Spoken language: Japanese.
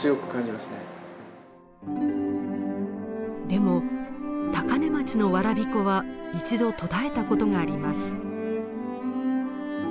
でも高根町のわらび粉は一度途絶えたことがあります。